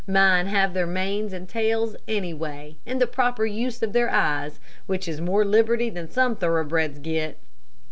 Mine have their manes and tails anyway, and the proper use of their eyes, which is more liberty than some thoroughbreds get.